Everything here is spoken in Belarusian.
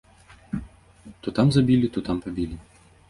То там забілі, то там пабілі.